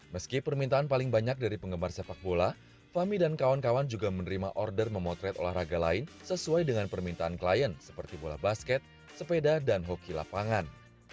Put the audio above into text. meski permintaan paling banyak dari penggemar sepak bola fahmi dan kawan kawan juga menerima order memotret olahraga lain sesuai dengan permintaan klien seperti bola basket sepeda dan hoki lapangan